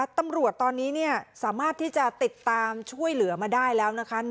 ตำรวจตอนนี้สามารถที่จะติดตามช่วยเหลือมาได้แล้วนะคะ